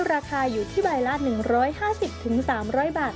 ราคาอยู่ที่ใบละ๑๕๐๓๐๐บาท